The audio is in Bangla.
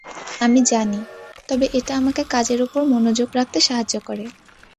আমি জানি, তবে এটা আমাকে কাজের উপর মনোযোগ রাখতে সাহায্য করে।